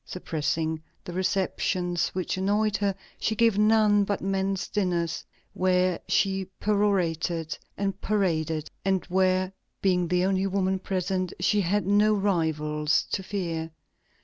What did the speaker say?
Suppressing the receptions which annoyed her, she gave none but men's dinners, where she perorated and paraded, and where, being the only woman present, she had no rivals to fear.